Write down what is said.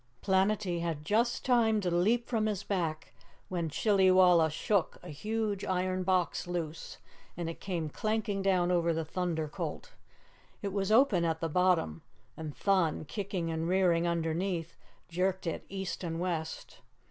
Planetty had just time to leap from his back when Chillywalla shook a huge iron box loose and it came clanking down over the Thunder Colt. It was open at the bottom, and Thun, kicking and rearing underneath, jerked it east and west.